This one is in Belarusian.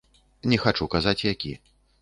Не хачу казаць які.